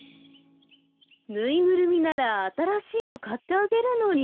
ぬいぐるみならあたらしいのかってあげるのに。